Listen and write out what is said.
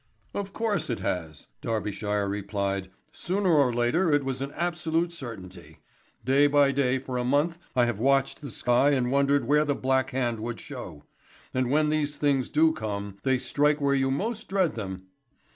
"Of course it has," Darbyshire replied, "Sooner or later it was an absolute certainty. Day by day for a month I have watched the sky and wondered where the black hand would show. And when these things do come they strike where you most dread them.